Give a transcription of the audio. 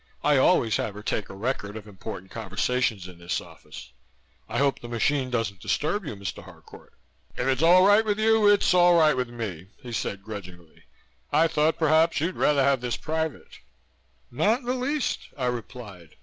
"I always have her take a record of important conversations in this office. I hope the machine doesn't disturb you, Mr. Harcourt." "If it's all right with you it's all right with me," he said grudgingly. "I thought perhaps you'd rather have this private." "Not in the least," I replied.